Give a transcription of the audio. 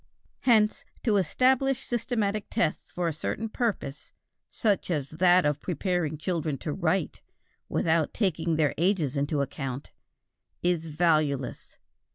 Hence, to establish systematic tests for a certain purpose, such as that of preparing children to write, without taking their ages into account, is valueless.